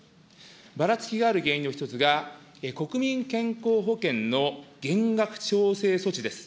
ばらつきがある原因の一つが、国民健康保険の減額調整措置です。